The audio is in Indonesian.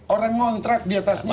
orang ngontrak di atasnya